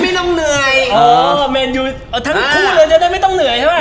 ไม่ต้องเหนื่อยอ๋อแมนยูเอาทั้งคู่เลยจะได้ไม่ต้องเหนื่อยใช่ป่